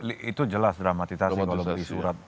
itu jelas dramatisasi kalau di surat